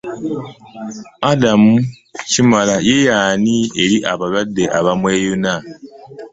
Adam Kimala ye y'ani eri abalwadde abamweyuna?